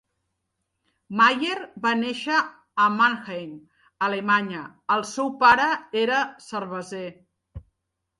Mayer va néixer a Mannheim, Alemanya; el seu pare era cerveser.